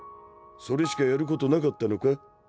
それしかやることなかったのか？